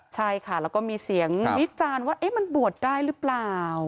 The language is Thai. ใช่ค่ะแล้วก็มีเสียงวิจารณ์ว่ามันบวชได้หรือเปล่า